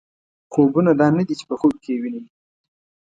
خوبونه دا نه دي چې په خوب کې یې وینئ.